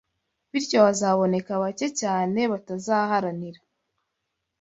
bityo hazaboneka bake cyane batazaharanira